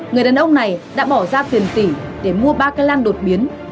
người đàn ông này đã bỏ ra tiền tỷ để mua ba cây lan đột biến